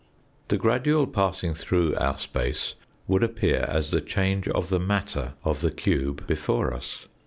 The gradual passing through our space would appear as the change of the matter of the cube Fig. 11. before us.